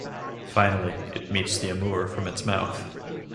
Finally it meets the Amur from its mouth.